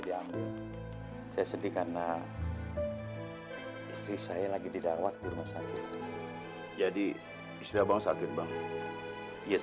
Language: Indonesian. diambil saya sedih karena istri saya lagi didawat di rumah sakit jadi istri abang sakit bang yes